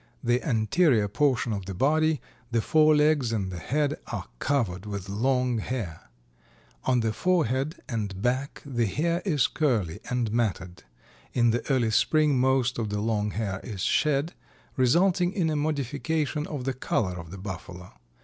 The anterior portion of the body, the forelegs and the head are covered with long hair. On the forehead and back the hair is curly and matted. In the early spring most of the long hair is shed, resulting in a modification of the color of the Buffalo.